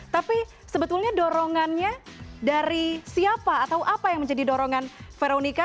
tapi sebetulnya dorongannya dari siapa atau apa yang menjadi dorongan veronica